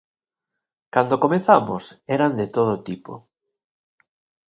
Cando comezamos, eran de todo tipo.